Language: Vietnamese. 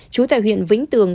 chú tại huyện vĩnh tường